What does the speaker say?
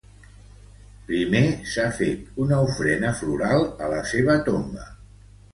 Primer s’ha fet una ofrena floral a la seva tomba.